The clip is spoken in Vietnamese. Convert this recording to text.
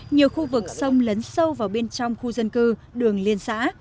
nhiều khu vực sông lấn sâu vào bên trong khu dân cư đường liên xã